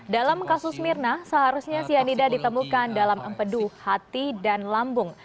dalam kasus mirna seharusnya cyanida ditemukan dalam empedu hati dan lambung